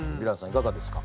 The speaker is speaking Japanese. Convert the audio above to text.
いかがですか？